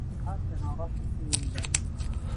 ڕاست لە ناوەڕاستی سنگمدا